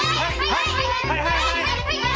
はい！